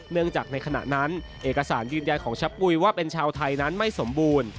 เนื่องจากในขณะนั้นเอกสารยืนยันของชะปุ๋ยว่าเป็นชาวไทยนั้นไม่สมบูรณ์